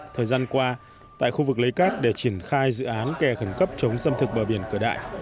thời gian qua tại khu vực lấy cát để triển khai dự án kè khẩn cấp chống xâm thực bờ biển cửa đại